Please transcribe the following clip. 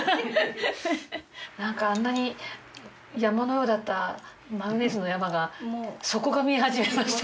なんかあんなに山のようだったマヨネーズの山が底が見え始めました。